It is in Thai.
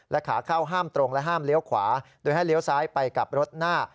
ขาเข้าห้ามตรงและห้ามเลี้ยวขวาโดยให้เลี้ยวซ้ายไปกับรถหน้า